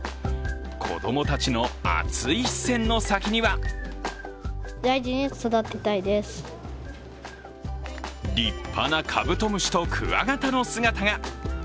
子供たちの熱い視線の先には立派なカブトムシとクワガタの姿が。